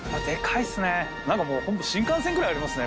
何かもうホント新幹線くらいありますね